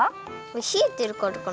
ひえてるからかな？